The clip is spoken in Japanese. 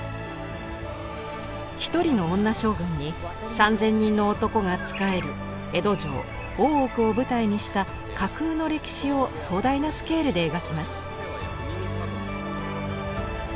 １人の女将軍に３，０００人の男が仕える江戸城・大奥を舞台にした架空の歴史を壮大なスケールで描きます。